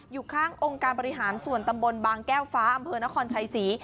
อยู่ข้างองค์การบริหารส่วนตำบลบางแก้วฟ้าอำเภอนครชัยศรี